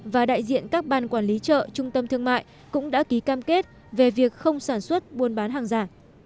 và đại diện các ban quản lý chợ trung tâm thương mại cũng đã ký cam kết về việc không sản xuất buôn bán hàng giả